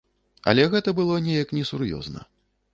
Але гэта было неяк несур'ёзна.